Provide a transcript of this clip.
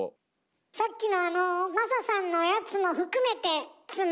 さっきのあのマサさんのやつも含めておお！